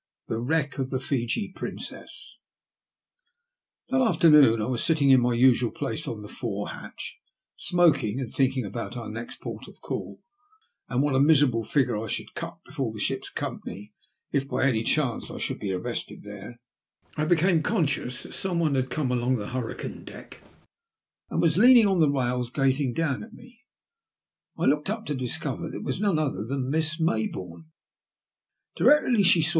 THE WRECK OF THE ^' FUI PBINCESS/* rpHAT afternoon I was sitting in my usual place on X the fore hatch, smoking and thinking about our next port of call, and what a miserable figure I should cut before the ship's company if by any chance I should be arrested there, when I became conscious that some one had come along the hurricane deck and was leaning on the rails gazing down at me. I looked up, to discover that it was none other than Miss Mayboume« Directly she saw